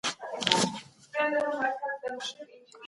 سیاستوال ولي نړیوالي اړیکي پراخوي؟